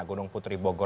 gunung putri bogor